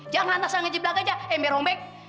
jangan lantas lantas ngejiblak aja ember ombek